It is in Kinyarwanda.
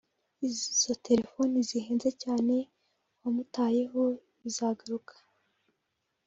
izo telefoni zihenze cyane …wamutayeho bizagaruka